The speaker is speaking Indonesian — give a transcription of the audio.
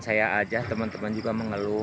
saya aja teman teman juga mengeluh